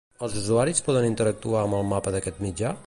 Els usuaris poden interactuar amb el mapa d'aquest mitjà?